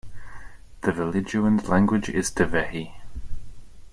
The Veliduans' language is Dhivehi.